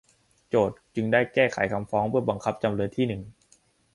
โจทก์จึงได้แก้ไขคำฟ้องเพื่อบังคับจำเลยที่หนึ่ง